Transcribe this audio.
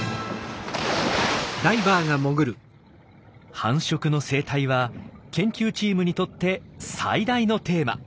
繁殖の生態は研究チームにとって最大のテーマ。